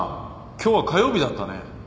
今日は火曜日だったね。